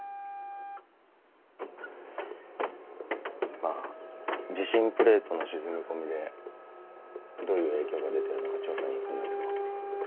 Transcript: まあ地震プレートの沈み込みでどういう影響が出てるのか調査に行くんだけど。